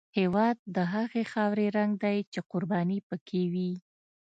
هېواد د هغې خاورې رنګ دی چې قرباني پکې وي.